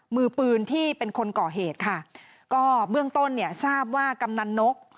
มือปืนที่เป็นคนก่อเหตุค่ะก็เบื้องต้นเนี่ยทราบว่ากำนันนก